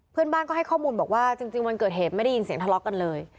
เพื่อนบ้านก็ให้ข้อมูลบอกว่าจริงวันเกิดเหตุไม่ได้ยินเสียงทะเลาะกันเลย